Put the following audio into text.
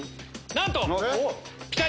なんと！